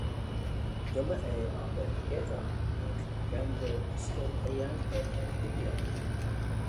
Dyma ei arbenigeddau, ond mae ganddo ystod eang o ergydion.